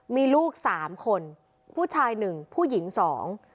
มีลูกสามคนผู้ชายหนึ่งผู้หญิงสอง